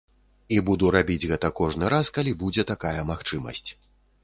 І буду рабіць гэта кожны раз, калі будзе такая магчымасць.